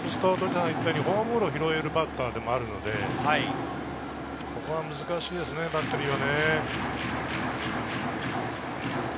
フォアボールを拾えるバッターでもあるので、ここは難しいですね、バッテリーはね。